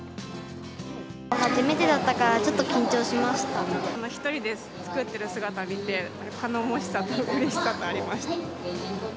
初めてだったから、ちょっと１人で作ってる姿見て、頼もしさとうれしさとありました。